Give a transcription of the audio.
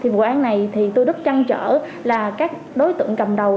vụ án này tôi rất trăn trở là các đối tượng cầm đầu